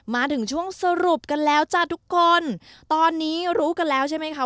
มาถึงช่วงสรุปกันแล้วจ้ะทุกคนตอนนี้รู้กันแล้วใช่ไหมคะ